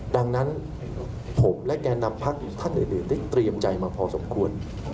ดังนั้นผมและแก่นำพักท่านอื่นได้เตรียมใจมาพอสมควร